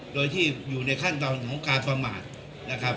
โดยที่อยู่ในขั้นตอนของการประมาทนะครับ